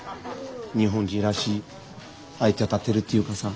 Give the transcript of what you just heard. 日本人らしい「相手を立てる」っていうかさ。